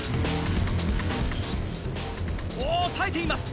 おお耐えています